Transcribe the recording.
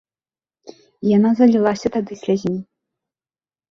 І яна залілася тады слязьмі.